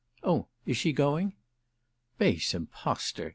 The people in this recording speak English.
"Oh is she going?" "Base impostor!"